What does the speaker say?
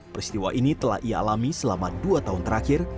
peristiwa ini telah ia alami selama dua tahun terakhir